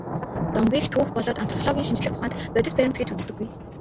Домгийг түүх болоод антропологийн шинжлэх ухаанд бодит баримт гэж үздэггүй.